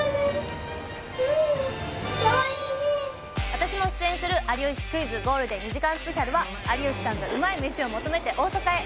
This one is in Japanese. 私も出演する『有吉クイズ』ゴールデン２時間スペシャルは有吉さんがうまい飯を求めて大阪へ。